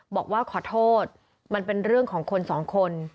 บอกว่าขอโทษมันเป็นเรื่องของคนสองคน